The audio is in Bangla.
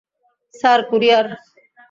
Sir, courier.